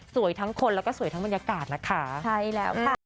ทั้งคนแล้วก็สวยทั้งบรรยากาศนะคะใช่แล้วค่ะ